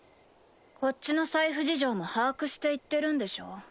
こっちの財布事情も把握して言ってるんでしょ？